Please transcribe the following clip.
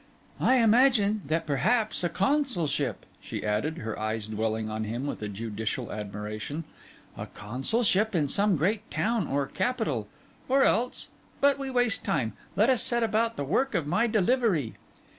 'I imagine that, perhaps, a consulship,' she added, her eyes dwelling on him with a judicial admiration, 'a consulship in some great town or capital—or else—But we waste time; let us set about the work of my delivery.